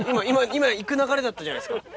今行く流れだったじゃないですか。